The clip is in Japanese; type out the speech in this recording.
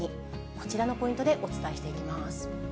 こちらのポイントでお伝えしていきます。